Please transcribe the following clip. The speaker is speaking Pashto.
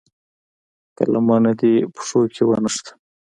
که لمنه دې پښو کې ونښته.